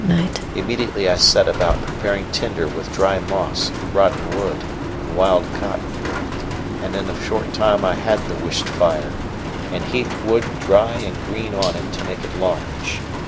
Immediately I set about preparing tinder with dry moss, rotten wood, and wild cotton; and in a short time I had the wished fire, and heaped wood dry and green on it to make it large.